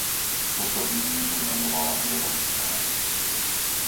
Toto v júni požadovala Európska rada.